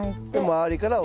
周りから。